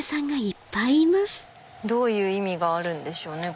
どういう意味があるんでしょうね